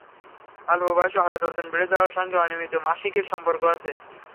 অল্প বয়সে হঠাৎ ওজন বেড়ে যাওয়ার সঙ্গে অনিয়মিত মাসিকের সম্পর্ক আছে।